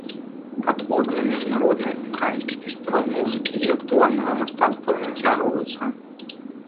Адборы на міжнародны ўкраінскі фестываль музыкі і актуальнага мастацтва працягваюцца.